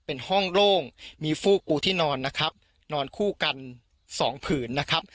เป็นห้องโล่งมีฟูกปูที่นอนนะครับนอนคู่กันสองผืนนะครับ